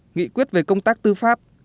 bốn nghị quyết về công tác tư pháp